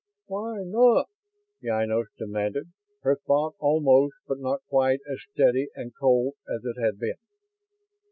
"Why not?" Ynos demanded, her thought almost, but not quite, as steady and cold as it had been.